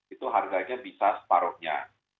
itu harganya bisa separuhnya